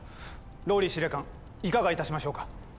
ＲＯＬＬＹ司令官いかがいたしましょうか？